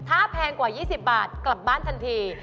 ถ้าแพงกว่า๒๐บาทกลับบ้านทันที